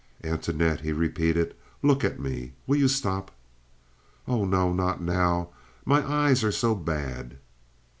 "Antoinette," he repeated, "look at me! Will you stop?" "Oh no, not now. My eyes are so bad."